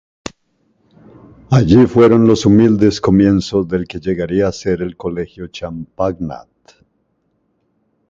Allí fueron los humildes comienzos del que llegaría a ser el Colegio Champagnat.